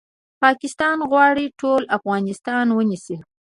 پاکستان غواړي ټول افغانستان ونیسي